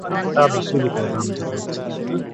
هغه کتاب د سولې پیغام درلود.